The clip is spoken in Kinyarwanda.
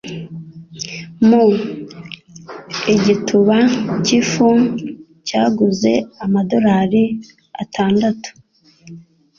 Mu , igituba cy'ifu cyaguze amadorari atandatu.